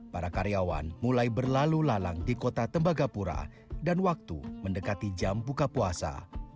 para karyawan mulai berlalu lalang di kota tembagapura dan waktu mendekati jam buka puasa